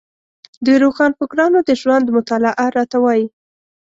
د روښانفکرانو د ژوند مطالعه راته وايي.